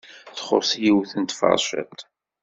Txuṣṣ yiwet n tferciḍt.